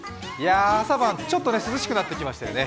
朝晩ちょっと涼しくなってきましたよね。